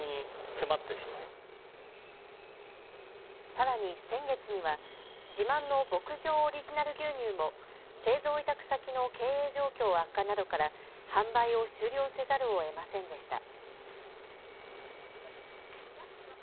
さらに先月には自慢の牧場オリジナル牛乳も製造委託先の経営状況悪化などから販売を終了せざるをえませんでした。